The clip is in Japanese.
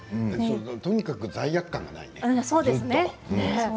とにかく罪悪感がないね。